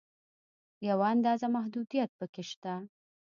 یوه اندازه محدودیت په کې شته.